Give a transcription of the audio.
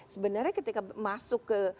sebenarnya ketika masuk ke